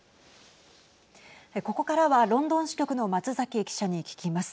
ここからはロンドン支局の松崎記者に聞きます。